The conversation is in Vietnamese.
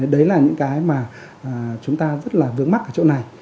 đấy là những cái mà chúng ta rất là vướng mắt ở chỗ này